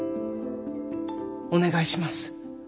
お願いします。